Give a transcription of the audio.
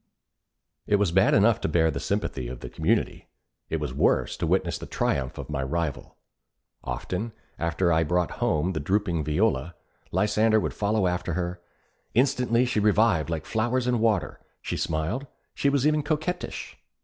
It was bad enough to bear the sympathy of the community; it was worse to witness the triumph of my rival. Often, after I had brought home the drooping Viola, Lysander would follow after her. Instantly she revived like flowers in water. She smiled, she was even coquettish.